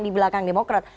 di belakang demokrat